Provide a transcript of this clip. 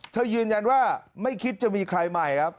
ยืนยันว่าไม่คิดจะมีใครใหม่ครับ